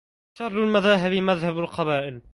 شر المذاهب مذهب القبائل